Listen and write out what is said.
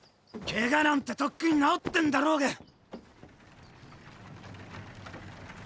怪我なんてとっくに治ってんだろうが！